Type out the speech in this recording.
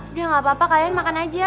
udah gak apa apa kalian makan aja